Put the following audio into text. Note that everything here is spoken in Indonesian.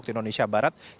kita akan menggali keterangan